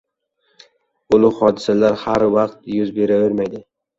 Ulug‘ hodisalar har vaqt yuz beravermaydi.